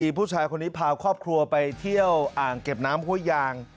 ผู้ชายคนนี้พาครอบครัวไปเที่ยวอ่างเก็บน้ำห้วยยาง